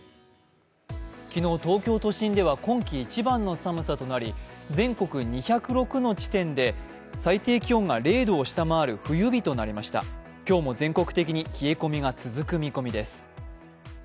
昨日、東京都心では今季一番の寒さとなり全国２０６の地点で最低気温が０度を下回る冬日となりました、今日も全国的に冷え込みが続く見込みです。